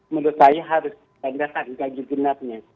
menurut saya harus ditandakan ganjil genapnya